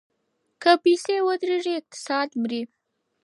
که پیسې ودریږي اقتصاد مري.